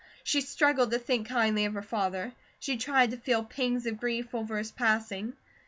She struggled to think kindly of her father; she tried to feel pangs of grief over his passing.